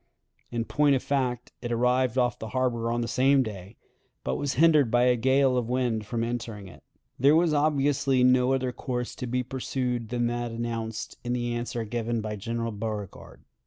(In point of fact, it arrived off the harbor on the same day, but was hindered by a gale of wind from entering it.) There was obviously no other course to be pursued than that announced in the answer given by General Beauregard.